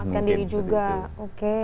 ya itulah mungkin